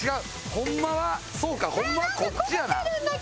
ホンマはこっちやな。